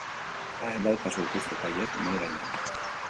Hainbat kasu dituzte epaileek mahai gainean.